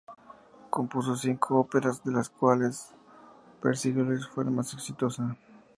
Compuso cinco óperas, de las cuales "Pergolesi" fue la más exitosa.